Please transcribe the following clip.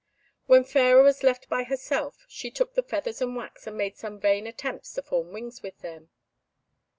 When Fairer was left by herself she took the feathers and wax, and made some vain attempts to form wings with them.